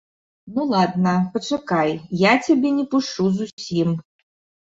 Ну ладна ж, пачакай, я цябе не пушчу зусім.